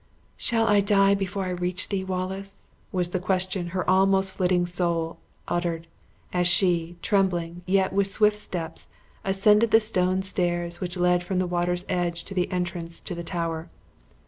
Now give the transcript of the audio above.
"Shall I die before I reach thee, Wallace?" was the question her almost flitting soul uttered, as she, trembling, yet with swift steps, ascended the stone stairs which led from the water's edge to the entrance to the Tower.